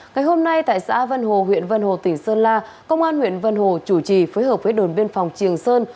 ngày hôm nay tại xã vân hồ huyện vân hồ tỉnh sơn la công an huyện vân hồ chủ trì phối hợp với đồn biên phòng triềng sơn